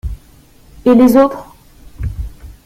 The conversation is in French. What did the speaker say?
Et les autres?